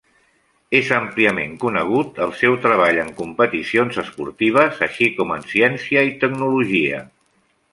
És àmpliament conegut el seu treball en competicions esportives així com en ciència i tecnologia.